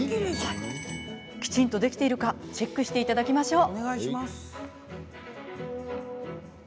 きちんと、できているかチェックしていただきましょう。